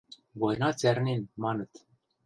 Война цӓрнен, маныт.